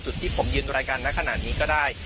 จุดที่ผมยืนรายการนั้นขนาดนี้ก็ได้